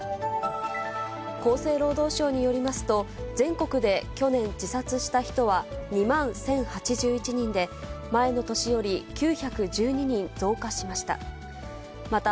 厚生労働省によりますと、全国で去年、自殺した人は２万１０８１人で、前の年より９１２人増加しました。